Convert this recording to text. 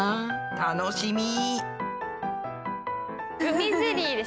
楽しみ。